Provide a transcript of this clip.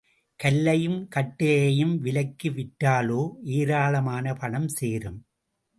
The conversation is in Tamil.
கல்லையும் கட்டையையும் விலைக்கு விற்றாலோ ஏராளமான பணம் சேரும்.